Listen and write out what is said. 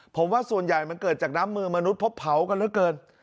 ผมว่าส่วนใหญ่มันเกิดจากน้ำมือมนุษย์เพราะเผากันเหลือเกิน